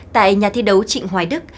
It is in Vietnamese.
tại nhà thi đấu trịnh hoài đức